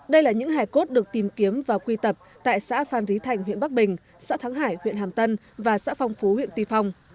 đây là những hải cốt được tìm kiếm và quy tập tại xã phan rí thành huyện bắc bình xã thắng hải huyện hàm tân và xã phong phú huyện tuy phong